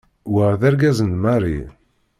Wa d argaz n Mary.